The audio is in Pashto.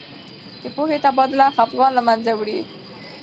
د پوهې تبادله خفګان له منځه وړي.